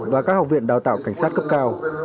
và các học viện đào tạo cảnh sát cấp cao